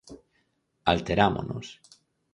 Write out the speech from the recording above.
Alterámonos.